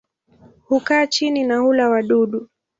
Hukaa chini na hula wadudu.